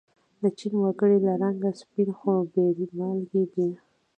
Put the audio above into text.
د چین و گړي له رنگه سپین خو بې مالگې دي.